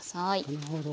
なるほど。